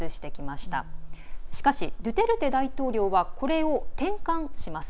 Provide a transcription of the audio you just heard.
しかし、ドゥテルテ大統領はこれを転換します。